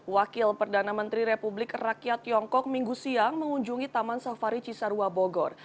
wakil perdana menteri republik rakyat tiongkok minggu siang mengunjungi taman safari cisarua bogor